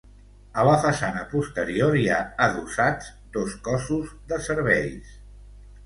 A la façana posterior hi ha adossats dos cossos de serveis.